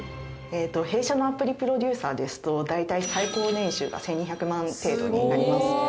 弊社のアプリプロデューサーですと大体最高年収が１２００万程度になります。